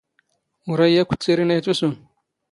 ⵓⵔ ⴰⵔ ⵉⵢⵉ ⴰⴽⴽⵯ ⵜⵜⵉⵔⵉⵏ ⴰⵢⵜ ⵓⵙⵓⵏ.